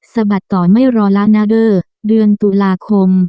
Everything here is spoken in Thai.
สะบัดต่อไม่รอละนาเดอร์เดือนตุลาคม